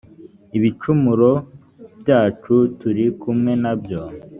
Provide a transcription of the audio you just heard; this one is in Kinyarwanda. ibicumuro byacu turi kumwe na byo